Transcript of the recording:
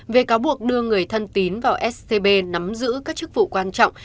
về cáo buộc đưa người thân tín vào scb nắm giữ các chức vụ quan trọng